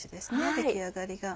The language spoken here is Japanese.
出来上がりが。